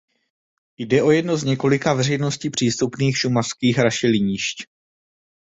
Jde o jedno z několika veřejnosti přístupných šumavských rašelinišť.